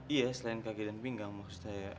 iya selain kaki dan pinggang maksud saya